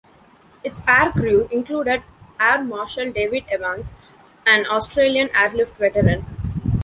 Its aircrew included Air Marshal David Evans, an Australian airlift veteran.